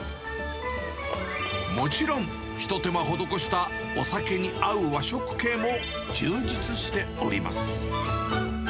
もちろん、ひと手間施したお酒に合う和食系も充実しております。